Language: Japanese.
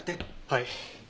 はい。